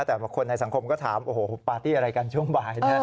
แต่คนในสังคมก็ถามโอ้โหปาร์ตี้อะไรกันช่วงบ่ายนะ